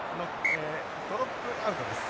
ドロップアウトです。